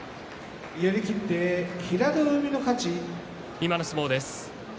今の相撲です。